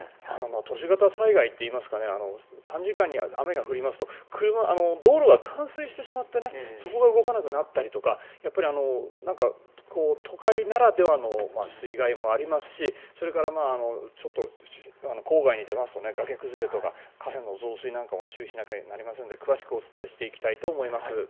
都市型災害といいますか短時間に雨が降りますと道路が冠水してしまってそこが動かなくなったりとか都会ならではの水害もありますしそれからちょっと郊外に出ますと崖崩れとか河川の増水なんかも注意しなければいけませんので詳しくお伝えしていきたいと思います。